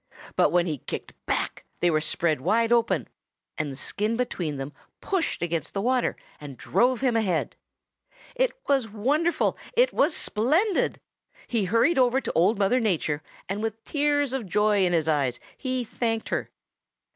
But when he kicked back they were wide spread, and the skin between them pushed against the water, and drove him ahead. It was wonderful! It was splendid! He hurried over to Old Mother Nature, and with tears of joy in his eyes he thanked her.